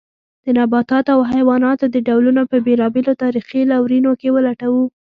د نباتاتو او حیواناتو د ډولونو په بېلابېلو تاریخي لورینو کې ولټوو.